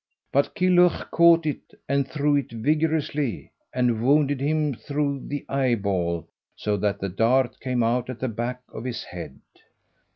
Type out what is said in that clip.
But Kilhuch caught it and threw it vigorously, and wounded him through the eyeball, so that the dart came out at the back of his head.